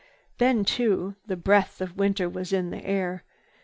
Then too the breath of winter was in the air.